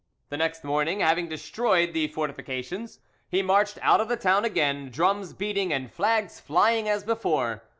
The next morning, having destroyed the fortifications, he marched out of the town again, drums beating and flags flying as before.